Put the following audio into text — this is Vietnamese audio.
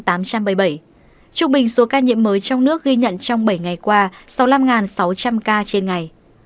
trung bình số ca nhiễm mới trong nước ghi nhận trong bảy ngày qua sáu mươi năm sáu trăm linh ca trên ngày